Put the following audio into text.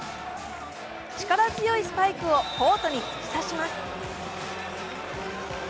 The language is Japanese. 力強いスパイクをコートに突き刺します。